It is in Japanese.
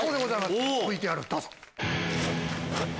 ＶＴＲどうぞ。